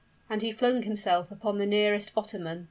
And he flung himself upon the nearest ottoman.